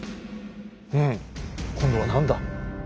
うん今度は何だ。